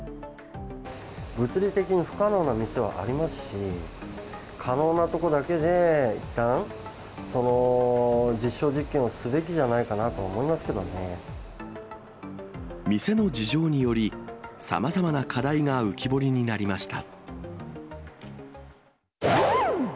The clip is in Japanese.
物理的に不可能な店はありますし、可能なところだけでいったん、実証実験をすべきじゃないかなと店の事情により、さまざまな課題が浮き彫りになりました。